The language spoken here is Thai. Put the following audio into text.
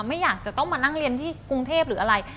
ไม่อยากจะต้องมานั่งเรียนที่กรุงเทพหรืออะไร